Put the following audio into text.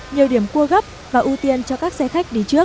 nhiều điểm cua gấp và ưu tiên cho các xe khách đi trước